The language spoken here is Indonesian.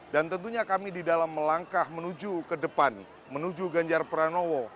dan tentunya kami di dalam melangkah menuju ke depan menuju ganjar pranowo